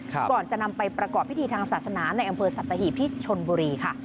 ก่อนจะนำไปประกอบพิธีทางศาสนาในอำเภอสัตหีบที่ชนบุรีค่ะ